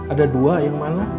ada dua yang mana